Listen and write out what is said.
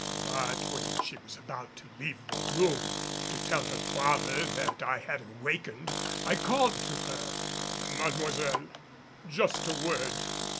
But when she was about to leave the room to tell her father that I had awakened, I called to her. "Mademoiselle, just a word.